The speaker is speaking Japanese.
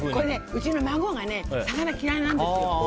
うちの孫が魚が嫌いなんですよ。